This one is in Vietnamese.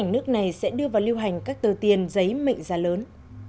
nó sẽ đưa vào lưu hành các tờ tiền giấy mệnh giá lớn